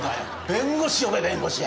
弁護士呼べ弁護士。